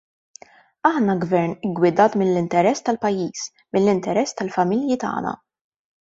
Aħna Gvern iggwidat mill-interess tal-pajjiż, mill-interess tal-familji tagħna.